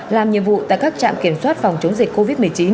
làm nhiệm vụ tại các trạm kiểm soát phòng chống dịch covid một mươi chín